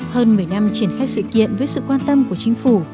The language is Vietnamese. hơn một mươi năm triển khai sự kiện với sự quan tâm của chính phủ